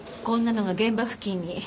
こんなのが現場付近に。